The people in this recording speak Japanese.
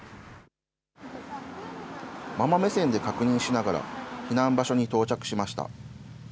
ママ目線で確認しながら避難場所に到着しました。